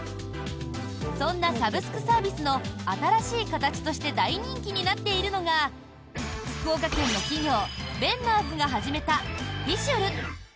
そんなサブスクサービスの新しい形として大人気になっているのが福岡県の企業ベンナーズが始めたフィシュル。